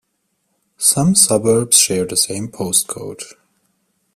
Some suburbs share the same postcode.